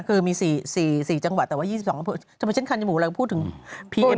คือมี๔จังหวัดแต่ว่า๒๒อำเภอทำไมฉันคันจมูกเราพูดถึงพีเอ็ม